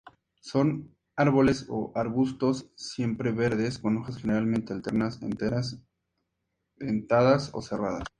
Son árboles o arbustos siempreverdes con hojas generalmente alternas enteras, dentadas o serradas.